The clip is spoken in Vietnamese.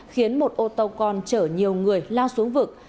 khiến một ô tàu con chở nhiều người lao xuống vực